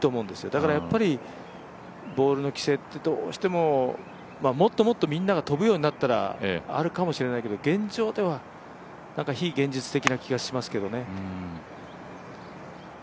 だからやっぱりボールの規制ってみんなが飛ぶようになったらあるかもしれないけど、現状では非現実的な感じがしますけどね。